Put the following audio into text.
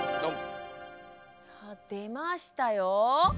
さあ出ましたよ。